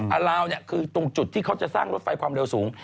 ลาวเนี่ยคือตรงจุดที่เขาจะสร้างรถไฟความเร็วสูง